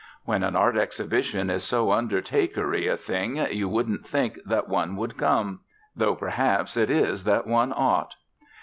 When an art exhibition is so undertakery a thing you wouldn't think that one would come. Though perhaps it is that one ought.